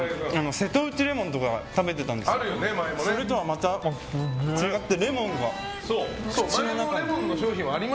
瀬戸内レモンとか食べてたんですけどそれとはまた違って前もレモンの商品